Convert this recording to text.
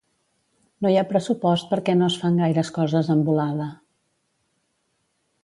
No hi ha pressupost perquè no es fan gaires coses amb volada